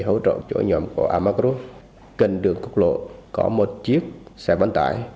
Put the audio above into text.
hỗ trợ chỗ nhóm của amakru kênh đường cục lộ có một chiếc xe bán tải